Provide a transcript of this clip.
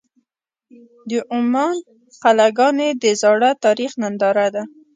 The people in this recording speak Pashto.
د عمان قلعهګانې د زاړه تاریخ ننداره ده.